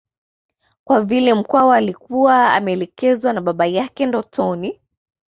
Kwa vile Mkwawa alikuwa ameelekezwa na baba yake ndotoni